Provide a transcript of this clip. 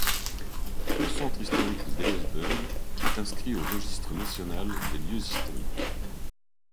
Le centre historique de Dyersburg est inscrit au Registre national des lieux historiques.